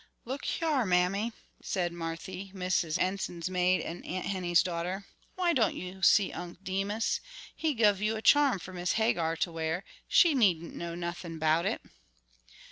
"Look hyar, mammy," said Marthy, Mrs. Enson's maid and Aunt Henny's daughter, "why don' you see Unc' Demus? He'd guv you a charm fer Miss Hagar to wear; she needn't know nuthin' 'bout it."